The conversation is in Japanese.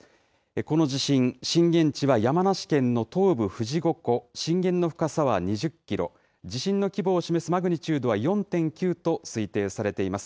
この地震、震源地は山梨県の東部富士五湖、震源の深さは２０キロ、地震の規模を示すマグニチュードは４．９と推定されています。